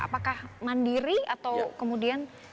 apakah mandiri atau kemudian ada sponsor